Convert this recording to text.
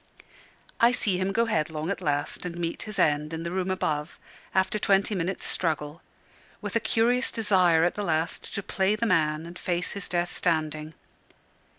I see him go headlong at last and meet his end in the room above after twenty minutes' struggle, with a curious desire at the last to play the man and face his death standing.